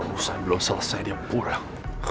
urusan belum selesai dia pulang